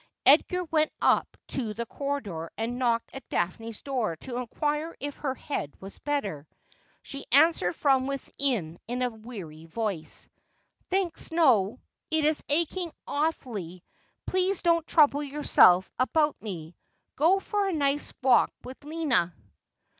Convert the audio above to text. Edgar went up to the corridor and knocked at Daphne's door to inquire if her head were better. She answered from within in a weary voice :' Thanks ; no ! It is aching awfully. Please don't trouble yourself about me. Go for a nice walk with Lina.'